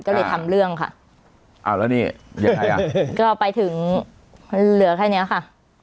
ก็เลยทำเรื่องค่ะอ้าวแล้วนี่ยังไงอ่ะก็ไปถึงเหลือแค่เนี้ยค่ะ